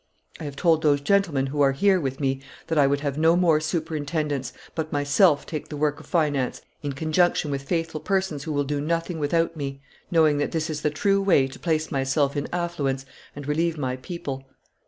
. I have told those gentlemen who are here with me that I would have no more superintendents, but myself take the work of finance in conjunction with faithful persons who will do nothing without me, knowing that this is the true way to place myself in affluence and relieve my people.